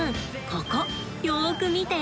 ここよく見て！